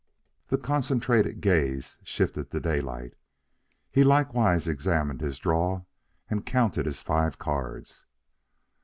The concentrated gaze shifted to Daylight. He likewise examined his draw and counted his five cards.